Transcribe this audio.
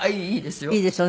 いいですよ。